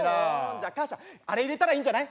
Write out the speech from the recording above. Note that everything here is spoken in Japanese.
じゃあかーしゃあれ入れたらいいんじゃない？